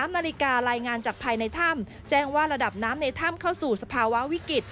นาฬิการายงานจากภายในถ้ำแจ้งว่าระดับน้ำในถ้ำเข้าสู่สภาวะวิกฤต